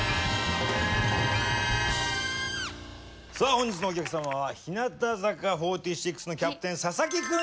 本日のお客様は日向坂４６のキャプテン佐々木久美